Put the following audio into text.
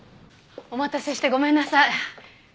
お待たせしてごめんなさい。